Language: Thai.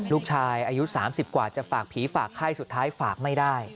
ลูกชายอายุ๓๐กว่าจะฝากผีฝากไข้สุดท้ายฝากไม่ได้